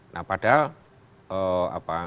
nah padahal apa